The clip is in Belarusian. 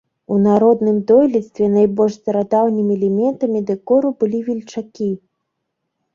У народным дойлідстве найбольш старадаўнімі элементамі дэкору былі вільчакі.